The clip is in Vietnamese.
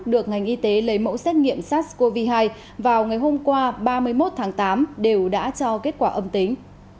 được ngành y tế lấy mẫu xét nghiệm sars cov hai vào ngày hôm qua ba mươi một tháng tám đều đã cho kết quả âm tính